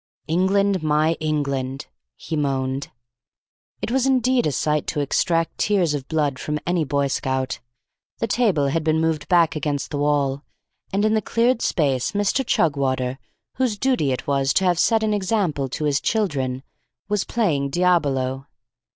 "England, my England!" he moaned. It was indeed a sight to extract tears of blood from any Boy Scout. The table had been moved back against the wall, and in the cleared space Mr. Chugwater, whose duty it was to have set an example to his children, was playing diabolo.